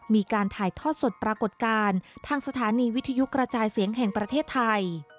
มีการถ่ายทอดสดปรากฏการณ์ทางสถานีวิทยุกระจายเสียงแห่งประเทศไทย